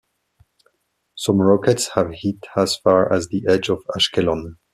Some rockets have hit as far as the edge of Ashkelon.